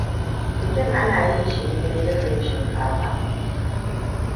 Bikin anayin shi ne na girbin shinkafa.